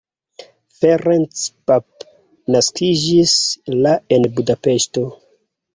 Ferenc Papp naskiĝis la en Budapeŝto.